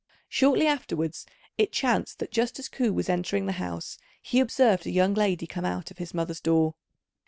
Shortly afterwards it chanced that just as Ku was entering the house he observed a young lady come out of his mother's door.